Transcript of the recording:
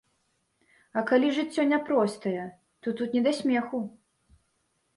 А калі жыццё няпростае, то тут не да смеху.